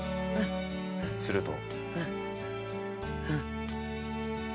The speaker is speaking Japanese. すると。